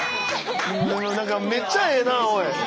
何かめっちゃええなおい。